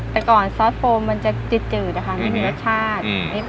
แต่ก่อนซอสโฟมันจะจืดจืดอ่ะค่ะอืมมีรสชาติอืม